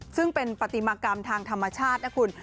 ซึ่งเป็นปฏิมากรรมทางธรรมชาตินะคุณ